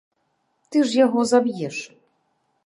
Ты ж яго заб'еш!